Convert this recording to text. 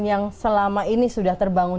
yang selama ini sudah terbangun